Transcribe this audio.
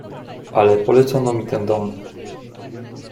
"Ale polecono mi ten dom."